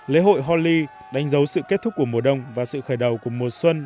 lễ hội holi đánh dấu sự kết thúc của mùa đông và sự khởi đầu của mùa xuân